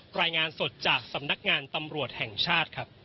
รายงานสดจากสำนักงานตำรวจแห่งชาติครับ